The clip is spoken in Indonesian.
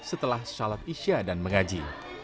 setelah sholat isya dan mengaji